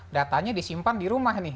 datanya disimpan di rumah nih